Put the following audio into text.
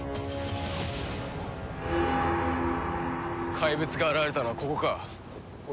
怪物が現れたのはここか。